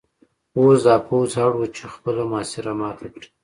اوس دا پوځ اړ و چې خپله محاصره ماته کړي